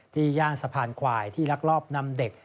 ย่านสะพานควายที่ลักลอบนำเด็ก